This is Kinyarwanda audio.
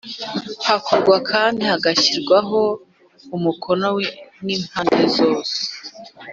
Hakorwa kandi agashyirwaho umukono n’ impande zose